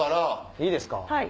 いいですか？